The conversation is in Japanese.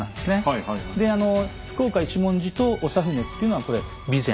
であの福岡一文字と長船っていうのはこれ備前。